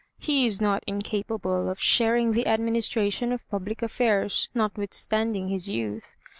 He is not incapable of sharing in the administration of public affairs, notwithstanding his youth.